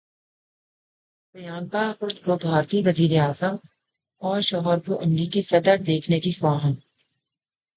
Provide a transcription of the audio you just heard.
پریانکا خود کو بھارتی وزیر اعظم اور شوہر کو امریکی صدر دیکھنے کی خواہاں